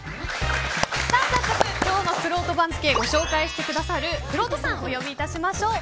早速、今日のくろうと番付ご紹介してくださるくろうとさんをお呼びいたしましょう。